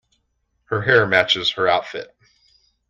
Her hair matches her outfit.